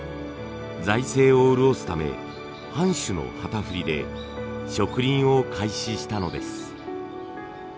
財政を潤すため藩主の旗振りで植林を開始したのです。